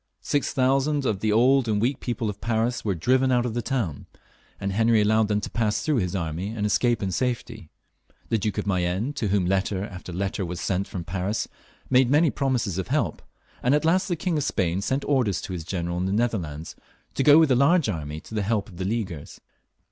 Six thousand of the old and weak people of Paris were driven out of the town, and Henry allowed them to pass through his army and escape in safety. The Duke of Mayenne, to whom letter after letter was sent fix)m Paris, made many promises of help, and at last the King of Spain sent orders to his general in the Netherlands to go with a large army to the help of the Leaguers.